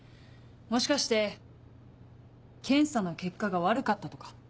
もしかして検査の結果が悪かったとか？